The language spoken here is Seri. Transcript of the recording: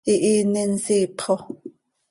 ¡Ihiini nsiip xo!